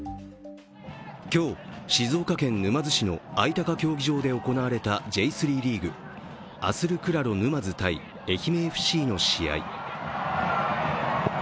今日、静岡県沼津市の愛鷹競技場で行われたＪ３リーグ、アスルクラロ沼津×愛媛ＦＣの試合。